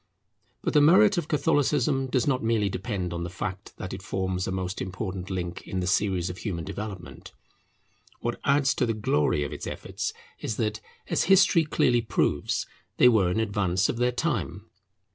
But the merit of Catholicism does not merely depend on the fact that it forms a most important link in the series of human development. What adds to the glory of its efforts is that, as history clearly proves, they were in advance of their time.